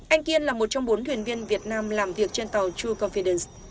anh kiên là một trong bốn thuyền viên việt nam làm việc trên tàu true confidence